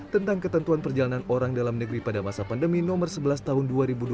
tentang ketentuan perjalanan orang dalam negeri pada masa pandemi nomor sebelas tahun dua ribu dua puluh